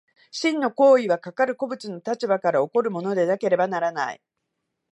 真の当為はかかる個物の立場から起こるものでなければならない。